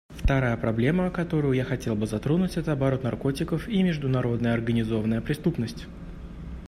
Вторая проблема, которую я хотел бы затронуть, это оборот наркотиков и международная организованная преступность.